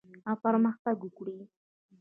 او پرمختګ وکړي.